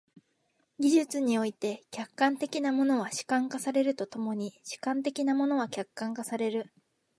技術において、客観的なものは主観化されると共に主観的なものは客観化される。